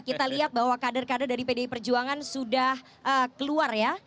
kita lihat bahwa kader kader dari pdi perjuangan sudah keluar ya